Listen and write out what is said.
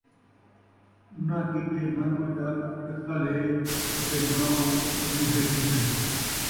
اُنھاں کیتے نہ کوئی ݙر ݙُکل ہے اَتے نہ او مُونجھے تِھیسن ۔